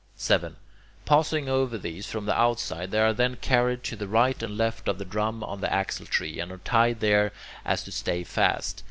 7. Passing over these from the outside, they are then carried to the right and left of the drum on the axle tree, and are tied there so as to stay fast.